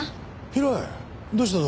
平井どうしたんだ？